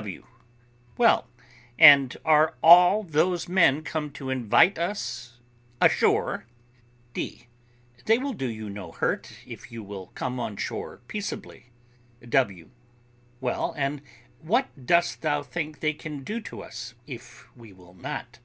W. Well, and are all those men come to invite us ashore? D. They will do you no hurt, if you will come on shore peaceably. W. Well, and what dost thou think they can do to us, if we will not?